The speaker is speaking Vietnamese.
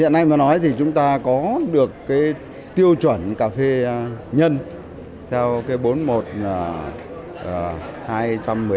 hiện nay mà nói thì chúng ta có được cái tiêu chuẩn cà phê nhân theo cái bốn một